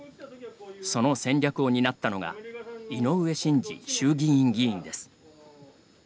その戦略を担ったのが井上信治衆議院議員です。